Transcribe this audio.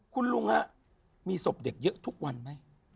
คุณลุงฮะมีศพเด็กเยอะทุกวันไหม